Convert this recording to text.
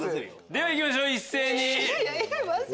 ではいきましょう一斉に。